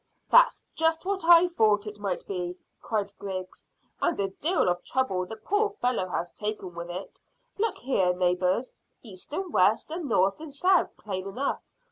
"That's just what I thought it might be," cried Griggs, "and a deal of trouble the poor fellow has taken with it. Look here, neighbours, east and west and north and south plain enough.